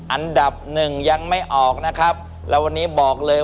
อันดับ๑ยังไม่ออกนะครับ